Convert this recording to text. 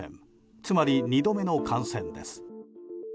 つまり、２度目の感染です。